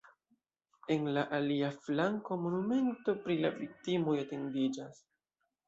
En la alia flanko monumento pri la viktimoj etendiĝas.